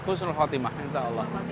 fusnul khotimah insya allah